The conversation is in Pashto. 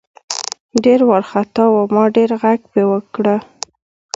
ډېر ورخطا وو ما ډېر غږ پې وکړه .